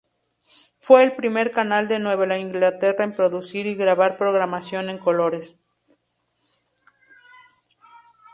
Fue el primer canal de Nueva Inglaterra en producir y grabar programación en colores.